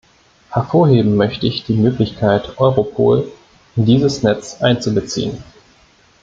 Hervorheben möchte ich die Möglichkeit, Europol in dieses Netz einzubeziehen.